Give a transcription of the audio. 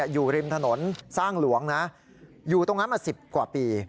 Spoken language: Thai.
อยู่ริมถนนสร้างหลวงนะอยู่ตรงนั้นมา๑๐กว่าปี